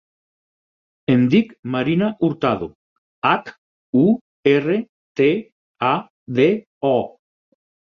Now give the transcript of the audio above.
Em dic Marina Hurtado: hac, u, erra, te, a, de, o.